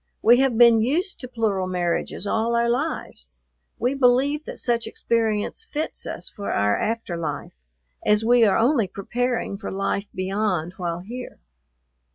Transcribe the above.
We have been used to plural marriages all our lives. We believe that such experience fits us for our after life, as we are only preparing for life beyond while here."